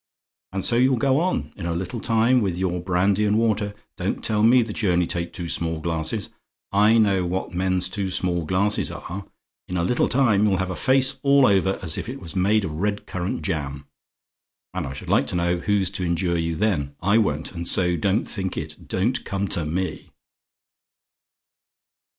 And so you'll go on. In a little time, with your brandy and water don't tell me that you only take two small glasses: I know what men's two small glasses are; in a little time you'll have a face all over as if it was made of red currant jam. And I should like to know who's to endure you then? I won't, and so don't think it. Don't come to me.